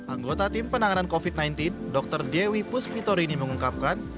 anggota tim penanganan covid sembilan belas dr dewi puspitorini mengungkapkan